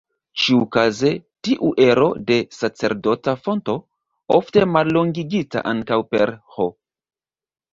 Ĉiukaze, tiu ero de sacerdota fonto, ofte mallongigita ankaŭ per "H".